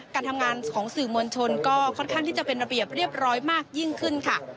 การทำงานของสื่อมวลชนก็ค่อนข้างที่จะเป็นระเบียบเรียบร้อยมากยิ่งขึ้นค่ะ